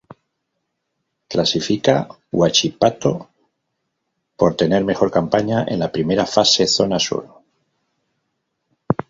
Clasifica Huachipato por tener mejor campaña en la primera fase Zona Sur.